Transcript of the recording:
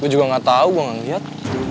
gue juga nggak tau gue nggak liat